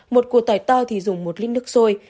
một cua tỏi to thì dùng một lít nước sôi